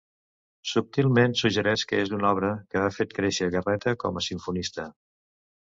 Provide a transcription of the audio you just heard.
Subtilment suggereix que és una obra que ha fet créixer Garreta com a simfonista.